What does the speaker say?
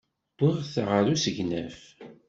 Wwiɣ-t ɣer usegnaf.